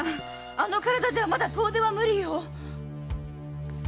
あの身体じゃあまだ遠出は無理よ！